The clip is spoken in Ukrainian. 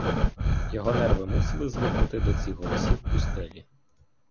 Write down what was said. Його нерви мусили звикнути до цих голосів пустелі.